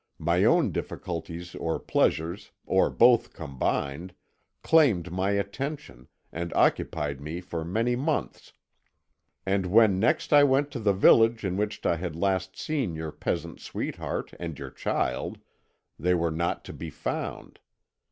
My own difficulties or pleasures, or both combined, claimed my attention, and occupied me for many months, and when next I went to the village in which I had last seen your peasant sweetheart and your child, they were not to be found.